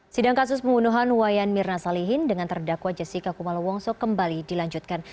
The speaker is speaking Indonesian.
sidang kasus pembunuhan wayan mirna salihin dengan terdakwa jessica kumala wongso kembali dilanjutkan